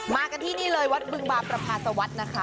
มากันที่นี่เลยวัดบึงบางประพาสวัสดิ์นะคะ